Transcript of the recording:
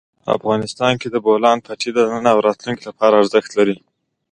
افغانستان کې د بولان پټي د نن او راتلونکي لپاره ارزښت لري.